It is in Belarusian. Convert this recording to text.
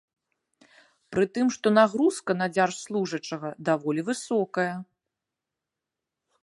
Пры тым, што нагрузка на дзяржслужачага даволі высокая.